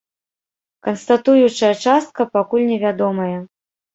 Канстатуючая частка пакуль невядомая.